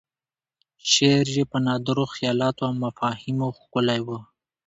شعر یې په نادرو خیالاتو او مفاهیمو ښکلی و.